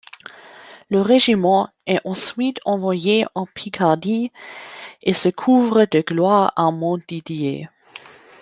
Le régiment est ensuite envoyé en Picardie et se couvre de gloire à Montdidier.